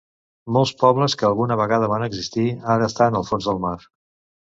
Molts pobles que alguna vegada van existir, ara estan al fons del mar.